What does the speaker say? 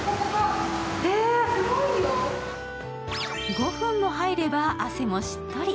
５分も入れば汗もしっとり。